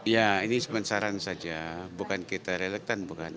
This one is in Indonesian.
ya ini sebuah saran saja bukan kita relekkan bukan